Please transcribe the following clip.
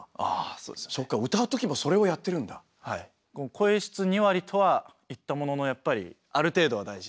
声質２割とは言ったもののやっぱりある程度は大事なので。